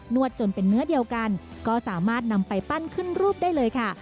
วดจนเป็นเนื้อเดียวกันก็สามารถนำไปปั้นขึ้นรูปได้เลยค่ะ